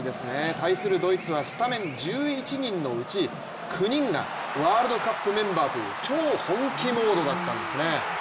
対するドイツはスタメン１１人のうち９人がワールドカップメンバーという超本気モードだったんですね。